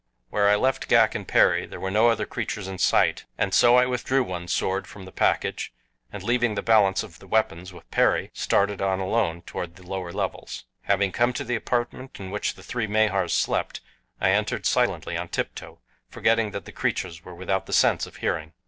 Where I left Ghak and Perry there were no other creatures in sight, and so I withdrew one sword from the package, and leaving the balance of the weapons with Perry, started on alone toward the lower levels. Having come to the apartment in which the three Mahars slept I entered silently on tiptoe, forgetting that the creatures were without the sense of hearing.